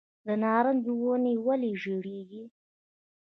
د نارنج ونې ولې ژیړیږي؟